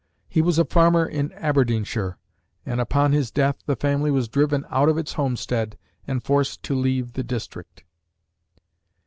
He was a farmer in Aberdeenshire, and upon his death the family was driven out of its homestead and forced to leave the district.